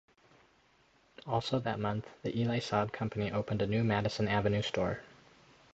Also that month, the Elie Saab company opened a new Madison Avenue store.